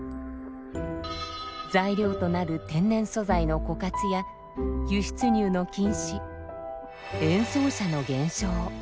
材料となる天然素材の枯渇や輸出入の禁止演奏者の減少。